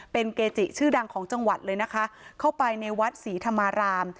เป็นเกจิชื่อดังของจังหวัดเลยนะคะเข้าไปในวัดศรีธรรมาราม